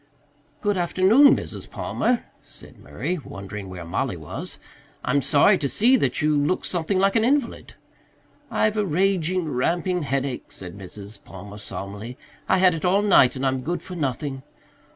"Good afternoon, Mrs. Palmer," said Murray, wondering where Mollie was. "I'm sorry to see that you look something like an invalid." "I've a raging, ramping headache," said Mrs. Palmer solemnly. "I had it all night and I'm good for nothing.